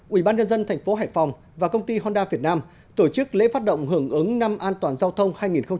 ủy ban nhân dân thành phố hải phòng và công ty honda việt nam tổ chức lễ phát động hưởng ứng năm an toàn giao thông hai nghìn hai mươi